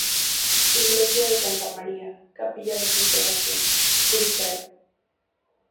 Iglesia de Santa María, Capilla de San Sebastián, crucero.